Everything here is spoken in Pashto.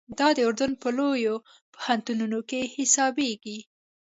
دا د اردن په لویو پوهنتونو کې حسابېږي.